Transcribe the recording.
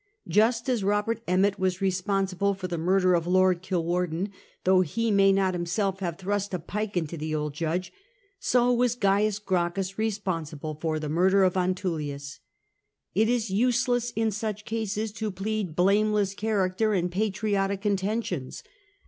Just as Eobert Emmett was responsible for the murder of Lord Kilwarden, though he may not himself have thrust a pike into the old judge, so was Oaius Gracchus re sponsible for the murder of Antullius. It is useless in such cases to plead blameless character and patriotic intentions.